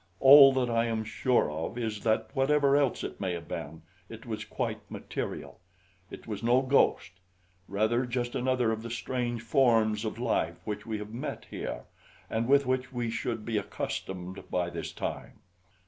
All that I am sure of is that whatever else it may have been, it was quite material it was no ghost; rather just another of the strange forms of life which we have met here and with which we should be accustomed by this time."